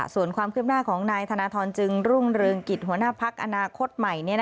ส่วนความคืบหน้าของนายธนทรจึงรุ่งเรืองกิจหัวหน้าพักอนาคตใหม่